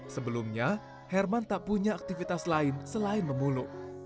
sebelumnya herman tak punya aktivitas lain selain memulung